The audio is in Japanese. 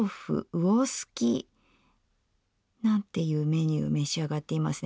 魚すきなんていうメニュー召し上がっていますね。